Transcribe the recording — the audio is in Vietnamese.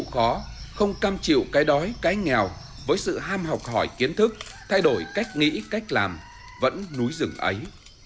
không cam chịu cái đói cái nghèo với sự ham học hỏi kiến thức thay đổi cách nghĩ cách làm vẫn núi rừng ấy